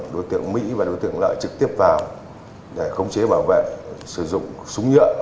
đối tượng mỹ và đối tượng lợi trực tiếp vào để khống chế bảo vệ sử dụng súng nhựa